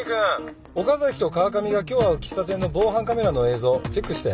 岡崎と川上が今日会う喫茶店の防犯カメラの映像チェックして。